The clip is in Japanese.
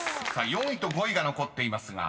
［４位と５位が残っていますが］